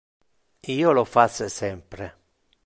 Io lo face sempre.